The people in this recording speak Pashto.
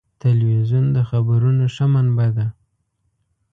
تلویزیون د خبرونو ښه منبع ده.